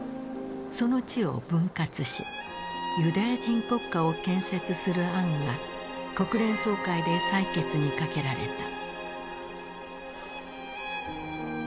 その地を分割しユダヤ人国家を建設する案が国連総会で採決にかけられた。